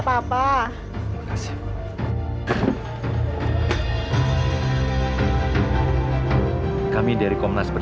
bukan begitu dong pak